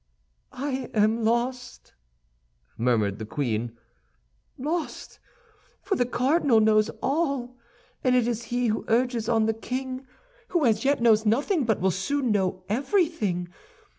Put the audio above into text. "I am lost," murmured the queen, "lost!—for the cardinal knows all, and it is he who urges on the king, who as yet knows nothing but will soon know everything.